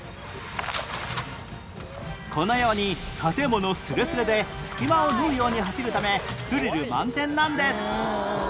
このように建物スレスレで隙間を縫うように走るためスリル満点なんです